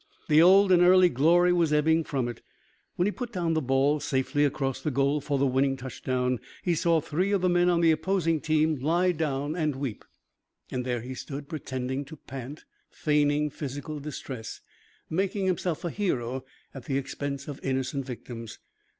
The old and early glory was ebbing from it. When he put down the ball, safely across the goal for the winning touchdown, he saw three of the men on the opposing team lie down and weep. There he stood, pretending to pant, feigning physical distress, making himself a hero at the expense of innocent victims.